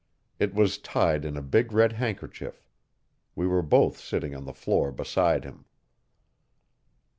It was tied in a big red handkerchief. We were both sitting on the floor beside him.